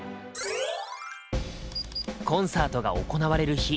コンサートが行われる日。